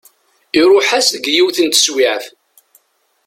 Iruḥ-as deg yiwet n teswiɛt.